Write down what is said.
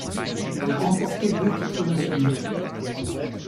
Elle a remporté deux titres nationaux.